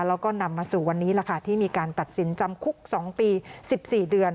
แล้วก็นำมาสู่วันนี้ล่ะค่ะที่มีการตัดสินจำคุก๒ปี๑๔เดือน